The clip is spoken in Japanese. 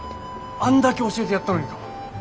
あんだけ教えてやったのにか！？